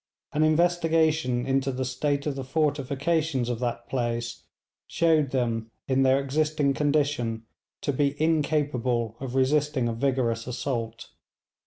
An investigation into the state of the fortifications of that place showed them, in their existing condition, to be incapable of resisting a vigorous assault.